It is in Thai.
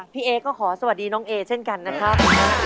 พี่เอก็ขอสวัสดีน้องเอเช่นกันนะครับ